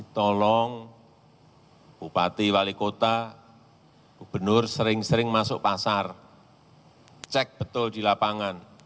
tolong bupati wali kota gubernur sering sering masuk pasar cek betul di lapangan